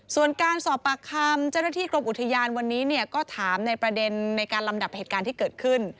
ส่วนการสอบปากคำเจ้าหน้าที่กรมอุทยานวันนี้ก็ถามในประเด็นในการลำดับเหตุการณ์ที่เกิดขึ้น